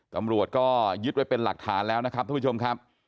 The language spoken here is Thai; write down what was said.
ตำรวจก็ยึดไว้เป็นหลักฐานแล้วนะครับท่านผู้ชมครับ